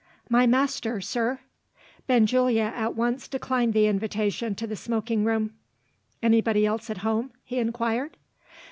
"My master, sir." Benjulia at once declined the invitation to the smoking room. "Anybody else at home?" he inquired.